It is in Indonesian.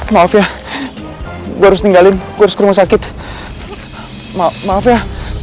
maaf ya gue harus ninggalin kurus rumah sakit maaf ya